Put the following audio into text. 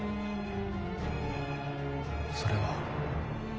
それは？